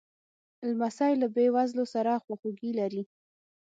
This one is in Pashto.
لمسی له بېوزلو سره خواخوږي لري.